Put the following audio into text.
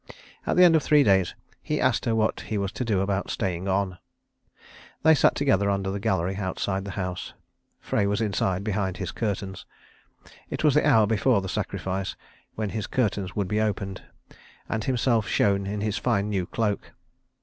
At the end of three days, he asked her what he was to do about staying on. They sat together under the gallery outside the house. Frey was inside behind his curtains. It was the hour before the sacrifice, when his curtains would be opened, and himself shown in his fine new cloak.